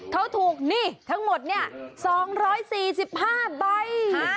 เขาถูกนี่ทั้งหมดเนี่ย๒๔๕ใบ